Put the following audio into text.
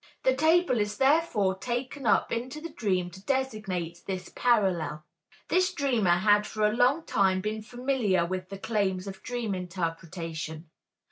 The table is therefore taken up into the dream to designate this parallel. This dreamer had for a long time been familiar with the claims of dream interpretation.